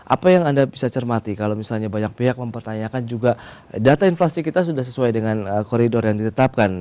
apa yang anda bisa cermati kalau misalnya banyak pihak mempertanyakan juga data inflasi kita sudah sesuai dengan koridor yang ditetapkan